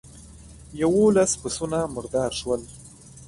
يوولس پسونه مردار شول.